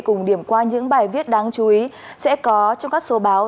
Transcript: cùng điểm qua những bài viết đáng chú ý sẽ có trong các số báo